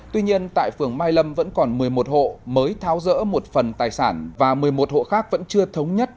tuy nhiên tại phường mai lâm vẫn còn một mươi một hộ mới tháo rỡ một phần tài sản và một mươi một hộ khác vẫn chưa thống nhất